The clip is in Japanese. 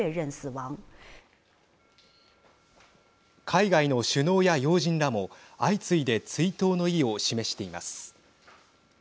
海外の首脳や要人らも相次いで追悼の意を示しています。